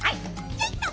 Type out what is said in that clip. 「ちょいと」